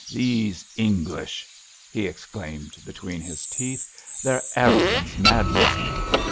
"These English!" he exclaimed between his teeth. "Their arrogance maddens me!